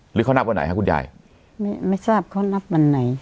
หรือเขานับวันไหนคะคุณยายไม่ไม่ทราบเขานับวันไหน